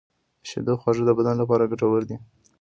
د شیدو خواږه د بدن لپاره ګټور دي.